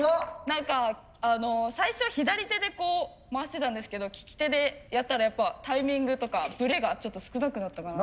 何かあの最初左手でこう回してたんですけど利き手でやったらやっぱタイミングとかブレがちょっと少なくなったかな。